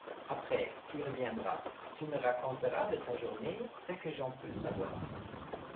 Après, tu reviendras … Tu me raconteras de ta journée ce que j'en peux savoir.